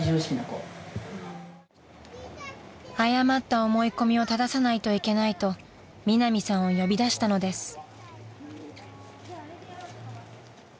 ［誤った思い込みを正さないといけないとミナミさんを呼び出したのです］